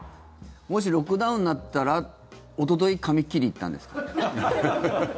もしロックダウンになったらおととい髪切りに行ったんですか？